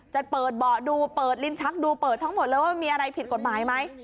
จะเปิดเบาะดูเปิดลิ้นชักดูเปิดทั้งหมดเลยว่ามีอะไรผิดกฎหมายไหม